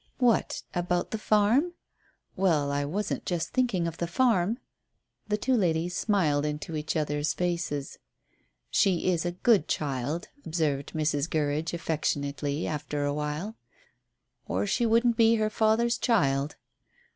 "What about the farm?" "Well, I wasn't just thinking of the farm." The two ladies smiled into each other's faces. "She is a good child," observed Mrs. Gurridge affectionately, after awhile. "Or she wouldn't be her father's child."